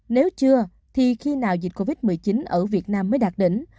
nếu chưa thì khi nào dịch covid một mươi chín ở việt nam mới đạt đỉnh